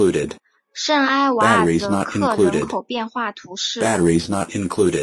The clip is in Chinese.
圣埃瓦尔泽克人口变化图示